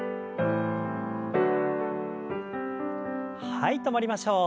はい止まりましょう。